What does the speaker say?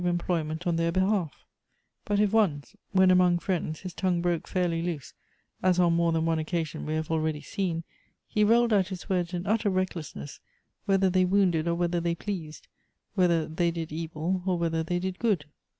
employment on their behalf; but if once, when among friends, his tongue broke fairly loose, as on more than one occasion we have already seen, he rolled out bis words in utter recklessness, whether they wounded or whether they pleased, whether they did evil or whether they did good.